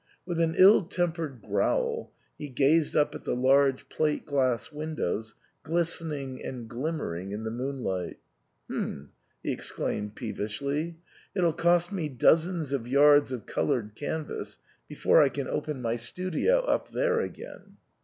With an ill tempered growl, he gazed up at the large plate glass windows glistening and glimmering in the moonlight. " Hm !" he ex claimed peevishly, "it'll cost me dozens of yards of coloured canvas before I can open my studio up there again."